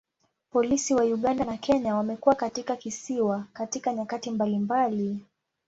Polisi wa Uganda na Kenya wamekuwa katika kisiwa katika nyakati mbalimbali.